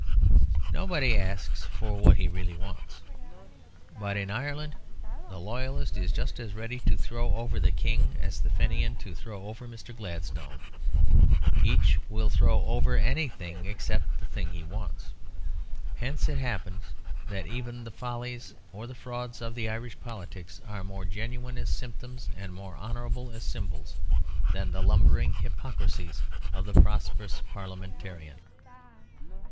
Nobody asks for what he really wants. But in Ireland the loyalist is just as ready to throw over the King as the Fenian to throw over Mr. Gladstone; each will throw over anything except the thing that he wants. Hence it happens that even the follies or the frauds of Irish politics are more genuine as symptoms and more honourable as symbols than the lumbering hypocrisies of the prosperous Parliamentarian.